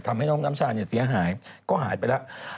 ทำให้น้องน้ำชาเนี่ยเสียหายก็หายไปแล้ว